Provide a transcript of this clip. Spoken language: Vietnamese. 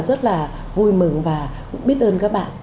rất là vui mừng và cũng biết ơn các bạn